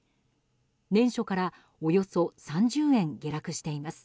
年初からおよそ３０円、下落しています。